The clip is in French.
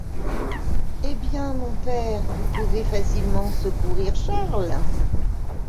Eh! bien, mon père, vous pouvez facilement secourir Charles.